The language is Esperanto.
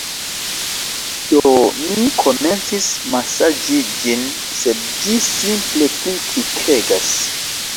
Do, mi komencis masaĝi ĝin sed ĝi simple pli tikegas